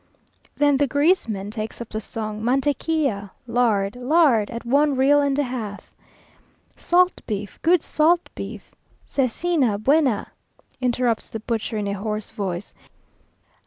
Then the grease man takes up the song, "Mantequilla! lard! lard! at one real and a half." "Salt beef! good salt beef!" ("Cecina buena!") interrupts the butcher in a hoarse voice.